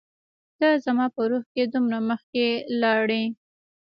ته زما په روح کي دومره مخکي لاړ يي